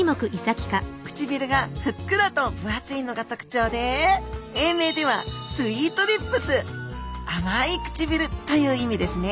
唇がふっくらと分厚いのが特徴で英名ではスイートリップス「甘い唇」という意味ですね。